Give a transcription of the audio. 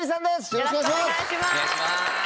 よろしくお願いします。